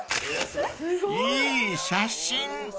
［いい写真］